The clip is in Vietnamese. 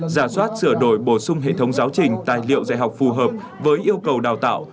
giả soát sửa đổi bổ sung hệ thống giáo trình tài liệu dạy học phù hợp với yêu cầu đào tạo